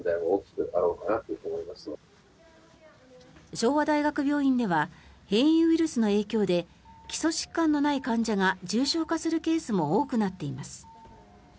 昭和大学病院では変異ウイルスの影響で基礎疾患のない患者が重症化するケースも多くなっています。